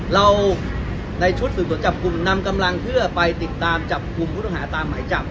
เราในชุดสูตรจับคุณนำกำลังเพื่อไปติดตามจับคุณหาตามหมายจับ